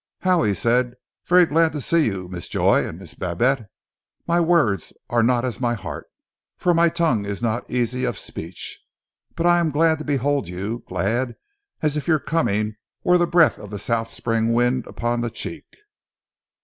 "How!" he said. "Very glad to see you, Miss Joy and Miss Babette. My words are not as my heart, for my tongue is not easy of speech. But glad am I to behold you, glad as if your coming were the breath of the south spring wind upon the cheek."